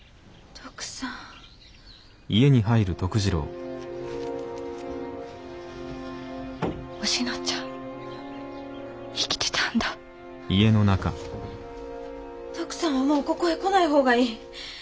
徳さんはもうここへ来ない方がいい。